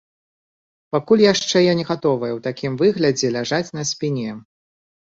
Пакуль яшчэ я не гатовая ў такім выглядзе ляжаць на спіне.